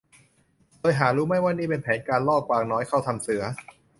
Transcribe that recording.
โดยหารู้ไม่ว่านี่เป็นแผนการล่อกวางน้อยเข้าถ้ำเสือ